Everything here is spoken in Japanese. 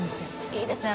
いいですね